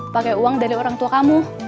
pakai uang dari orang tua kamu